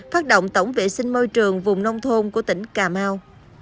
phát động tổng vệ sinh môi trường vùng nông thôn của tỉnh cà mau